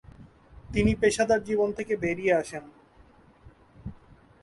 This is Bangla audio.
তিনি পেশাদার জীবন থেকে বেরিয়ে আসেন।